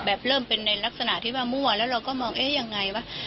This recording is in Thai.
เริ่มเป็นในลักษณะที่ว่ามั่วแล้วเราก็มองเอ๊ะยังไงวะ